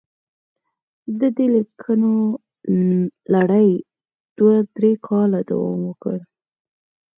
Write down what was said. د دې لیکونو لړۍ دوه درې کاله دوام وکړ.